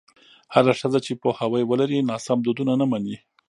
هره ښځه چې پوهاوی ولري، ناسم دودونه نه مني.